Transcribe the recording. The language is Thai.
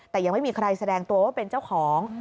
แต่ยังไม่มีใครแสดงตัวว่าเป็นเจ้าของ